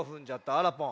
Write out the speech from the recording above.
あらぽん。